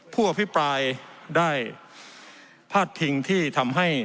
พูดพี่ปลายได้พาทพิงศ์ที่ทำให้